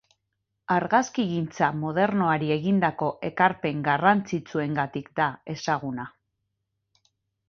Argazkigintza modernoari egindako ekarpen garrantzitsuengatik da ezaguna.